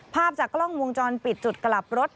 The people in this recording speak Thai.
ภาพจากกล้องวงจรปิดจุดกลับรถ